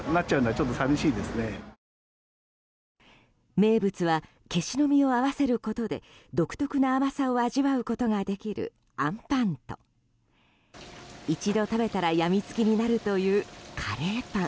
名物はケシの実を合わせることで独特な甘さを味わうことができるあんぱんと一度食べたら、病みつきになるというカレーパン。